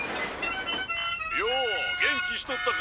よお元気しとったか。